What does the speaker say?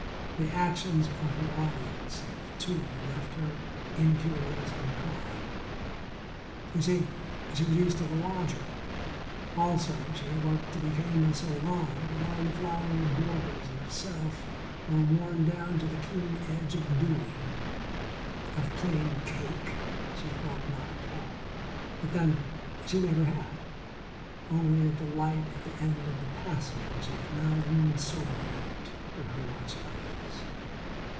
The actions of her audience of two left her in curious and calm. You see, she was used to the lodger. Also she had worked to be famous so long that all the flowery borders of self were worn down to the keen edge of doing. Of Plain Cake she thought not at all. But then, she never had. Only of the light at the end of the passage that now loomed so bright to her watching eyes.